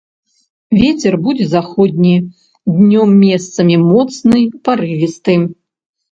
Вецер будзе заходні, днём месцамі моцны парывісты.